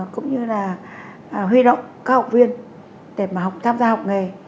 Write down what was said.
cũng như là huy động các học viên để mà học tham gia học nghề